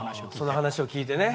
その話を聞いてね。